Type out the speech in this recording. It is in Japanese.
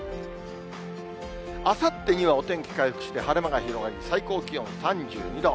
あさってにはお天気回復して、晴れ間が広がり、最高気温３２度。